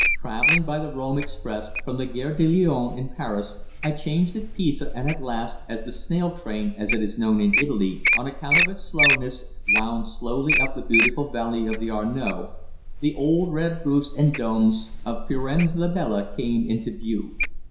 Travelling by the Rome express from the Gare de Lyon, in Paris, I changed at Pisa, and at last, as the "snail train," as it is known in Italy on account of its slowness, wound slowly up the beautiful valley of the Arno, the old red roofs and domes of Firenze La Bella came into view.